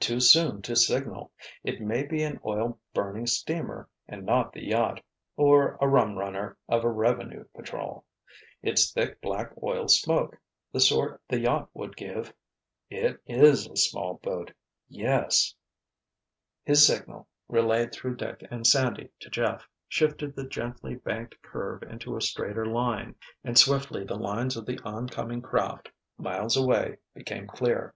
"Too soon to signal—it may be an oil burning steamer and not the yacht—or a rum runner of a revenue patrol—it's thick, black oil smoke, the sort the yacht would give—it is a small boat—yes——" His signal, relayed through Dick and Sandy to Jeff, shifted the gently banked curve into a straighter line and swiftly the lines of the oncoming craft, miles away, became clear.